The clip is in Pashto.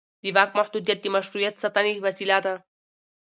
د واک محدودیت د مشروعیت د ساتنې وسیله ده